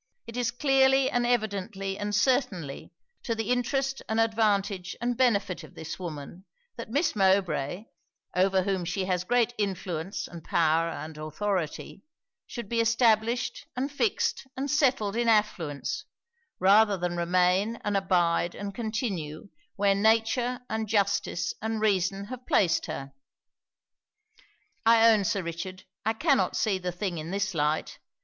It is clearly and evidently and certainly to the interest and advantage and benefit of this woman, that Miss Mowbray, over whom she has great influence and power and authority, should be established and fixed and settled in affluence, rather than remain and abide and continue where nature and justice and reason have placed her.' 'I own, Sir Richard, I cannot see the thing in this light.